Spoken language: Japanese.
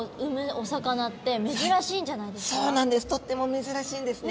とっても珍しいんですね。